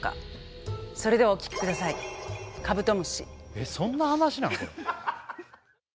えっそんな話なの？